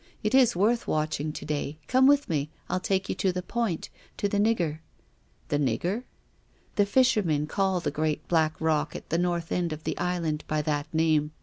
It is worth watching to day. Come with me. I'll take you to the point — to the nigger." " The nigger ?"" The fishermen call the great black rock at the north end of the Island by that name.